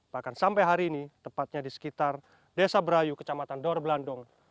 bahkan sampai hari ini tepatnya di sekitar desa berayu kecamatan dorblandong